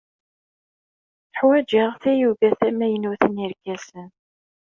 Ḥwajeɣ tayuga tamaynut n yerkasen.